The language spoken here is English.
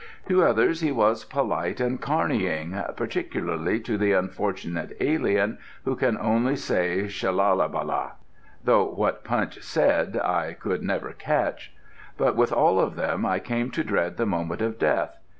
To others he was polite and carneying particularly to the unfortunate alien who can only say Shallabalah though what Punch said I never could catch. But with all of them I came to dread the moment of death.